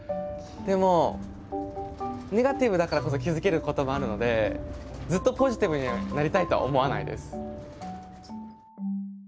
でもネガティブだからこそ気付けることもあるのでずっとポジティブになりたいとは思わないです。